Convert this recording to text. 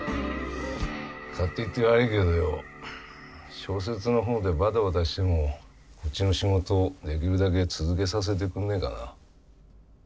勝手言って悪いけどよ小説のほうでバタバタしてもこっちの仕事できるだけ続けさせてくんねえかな？